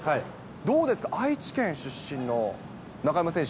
どうですか、愛知県出身の中山選手。